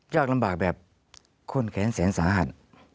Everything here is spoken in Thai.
ยากลำบากแบบข้นแขนแสนสาหัส